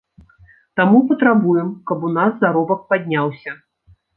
Таму патрабуем, каб у нас заробак падняўся.